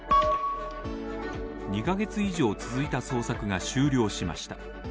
２カ月以上続いた捜索が終了しました。